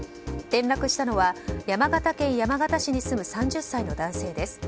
転落したのは山形県山形市に住む３０歳の男性です。